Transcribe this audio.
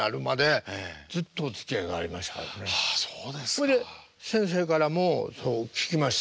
ほいで先生からもそう聞きました